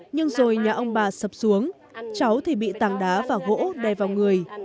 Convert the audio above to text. nhưng rồi nhà ông bà sập xuống cháu thì bị tảng đá và gỗ đe vào người